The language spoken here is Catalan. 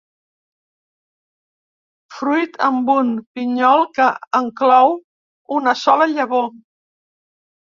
Fruit amb un pinyol que enclou una sola llavor.